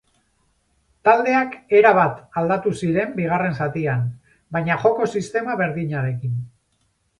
Taldeak erabat aldatu ziren bigarren zatian, baina joko-sistema berdinarekin.